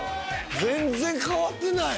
全然変わってない。